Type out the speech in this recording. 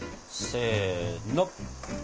せの！